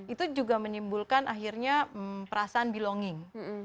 itu juga menimbulkan akhirnya perasaan belonging